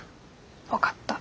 分かった。